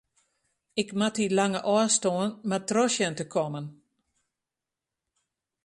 Ik moat dy lange ôfstân mar troch sjen te kommen.